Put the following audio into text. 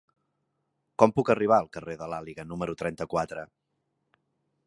Com puc arribar al carrer de l'Àliga número trenta-quatre?